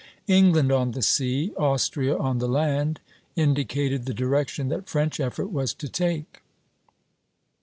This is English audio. England on the sea, Austria on the land, indicated the direction that French effort was to take.